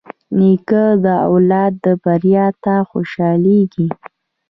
نیکه د اولاد بریا ته خوشحالېږي.